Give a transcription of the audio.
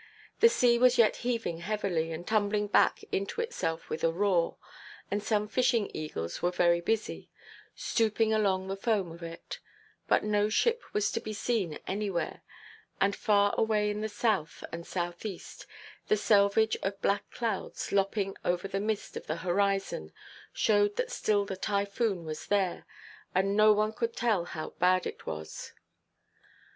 The sea was yet heaving heavily, and tumbling back into itself with a roar, and some fishing eagles were very busy, stooping along the foam of it; but no ship was to be seen anywhere, and far away in the south and south–east the selvage of black clouds, lopping over the mist of the horizon, showed that still the typhoon was there, and no one could tell how bad it was.